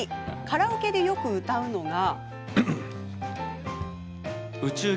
カラオケでよく歌うのが。